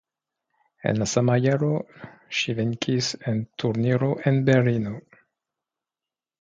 En la sama jaro ŝi venkis en turniro en Berlino.